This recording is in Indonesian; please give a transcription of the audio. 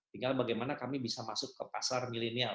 tinggal bagaimana kami bisa masuk ke pasar milenial